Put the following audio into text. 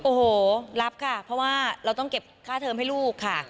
โอ้โหรับค่ะเพราะว่าเราต้องเก็บค่าเทอมให้ลูกค่ะ